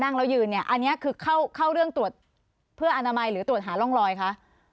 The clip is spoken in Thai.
อันนี้คือเข้าเรื่องตรวจเพื่ออนามัยหรือตรวจหาร่องรอยคะ